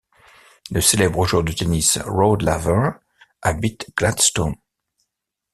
Le célèbre joueur de tennis Rod Laver habite Gladstone.